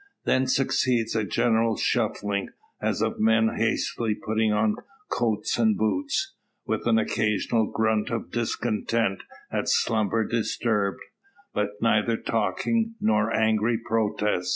Then succeeds a general shuffling, as of men hastily putting on coats and boots, with an occasional grunt of discontent at slumber disturbed; but neither talking nor angry protest.